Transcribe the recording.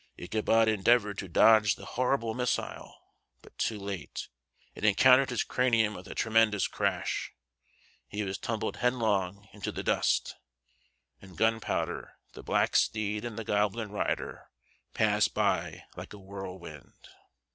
Ichabod endeavored to dodge the horrible missile, but too late. It encountered his cranium with a tremendous crash; he was tumbled headlong into the dust, and Gunpowder, the black steed, and the goblin rider passed by like a whirlwind.